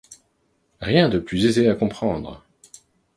Rien de plus aisé à comprendre.